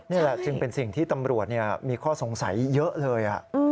นี่แหละจึงเป็นสิ่งที่ตำรวจมีข้อสงสัยเยอะเลย